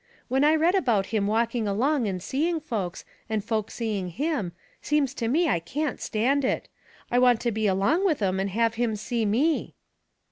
" When I read about him walking along and seeing folks, and folks seeing him, seems to me I can't stand it. I want to be along with 'em and have him see me."